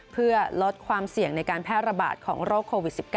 เพื่อลดความเสี่ยงในการแพร่ระบาดของโรคโควิด๑๙